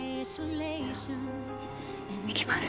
じゃあいきます。））